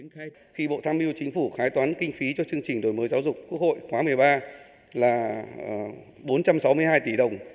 khi bộ tham mưu chính phủ khái toán kinh phí cho chương trình đổi mới giáo dục quốc hội khóa một mươi ba là bốn trăm sáu mươi hai tỷ đồng